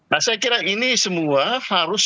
nah saya kira ini semua harus